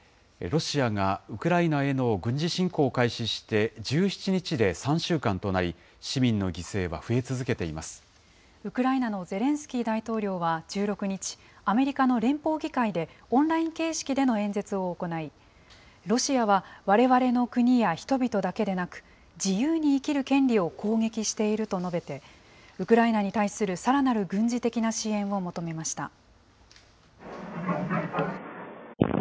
ロシアがウクライナへの軍事侵攻を開始して１７日で３週間となり、ウクライナのゼレンスキー大統領は１６日、アメリカの連邦議会でオンライン形式での演説を行い、ロシアは、われわれの国や人々だけでなく、自由に生きる権利を攻撃していると述べて、ウクライナに対するさらなる軍事的な支援を求めました。